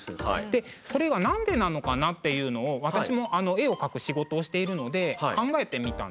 でそれはなんでなのかなっていうのを私も絵を描く仕事をしているので考えてみたんですね。